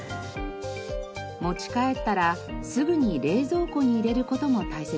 持ち帰ったらすぐに冷蔵庫に入れる事も大切です。